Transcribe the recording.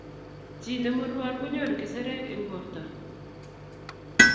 chi ne murwon ko nyoru kisirek eng' borto